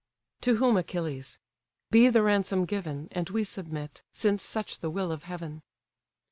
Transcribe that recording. To whom Achilles: "Be the ransom given, And we submit, since such the will of heaven."